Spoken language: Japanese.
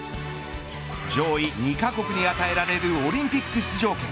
上位２カ国に与えられるオリンピック出場権。